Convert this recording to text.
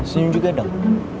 senyum juga dong